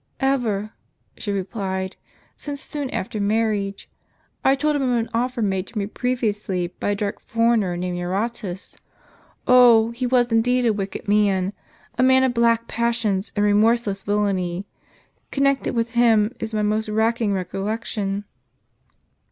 "Ever," she replied, "since soon after marriage, I told him of an offer made to me previously, by a dark foreigner, named Eurotas. Oh ! he was indeed a wicked man, a man of black passions and remorseless villany. Connected with him, is my most racking recollection."